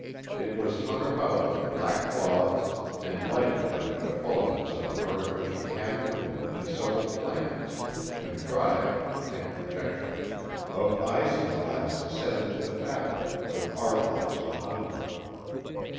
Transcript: It was hung about with black cloths, and lighted by the effulgence of an artificial half moon and several planets, contrived, Kent conjectured, of isinglass set into the fabric, with arc lights behind them.